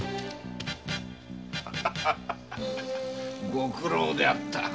ご苦労であった。